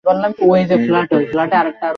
আমাদের তালির সামনে অন্যসব তালি কিছুই না।